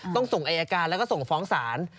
ต้องส่งไออาการเราก็ส่งฟ้องศาล